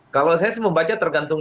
kalau saya membaca tergantung